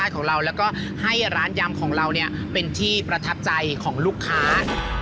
ของเราเนี่ยเป็นที่ประทับใจของลูกค้า